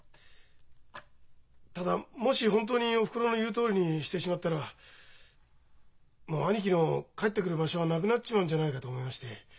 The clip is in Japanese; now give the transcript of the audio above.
ただもし本当におふくろの言うとおりにしてしまったらもう兄貴の帰ってくる場所がなくなっちまうんじゃないかと思いまして。